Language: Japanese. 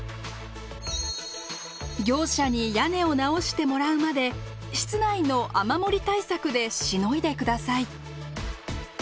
業者に屋根を直してもらうまで室内の雨漏り対策でしのいで下さい。